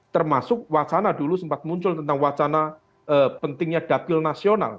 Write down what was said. termasuk wacana dulu sempat muncul tentang wacana pentingnya dapil nasional